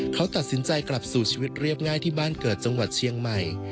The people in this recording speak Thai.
เขาตัดสินใจกลับสู่ชีวิตเรียบง่ายที่บ้านเกิดจังหวัดเชียงใหม่